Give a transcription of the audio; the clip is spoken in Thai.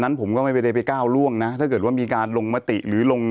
นั้นผมก็ไม่ได้ไปก้าวล่วงนะถ้าเกิดว่ามีการลงมติหรือลง